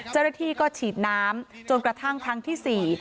เจ้าหน้าที่ก็ฉีดน้ำจนกระทั่งครั้งที่๔